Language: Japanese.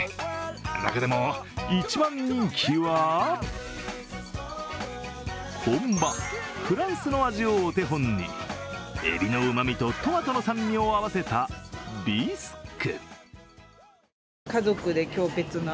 中でも、１番人気は本場フランスの味をお手本にえびのうまみとトマトの酸味を合わせたビスク。